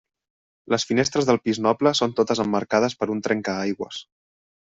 Les finestres del pis noble són totes emmarcades per un trencaaigües.